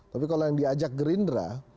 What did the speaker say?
tapi kalau yang diajak gerindra